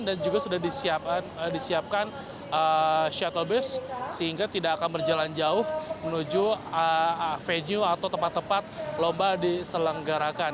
dan juga sudah disiapkan shuttle bus sehingga tidak akan berjalan jauh menuju venue atau tempat tempat lomba diselenggarakan